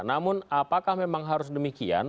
namun apakah memang harus demikian